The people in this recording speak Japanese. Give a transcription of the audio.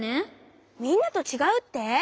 みんなとちがうって！？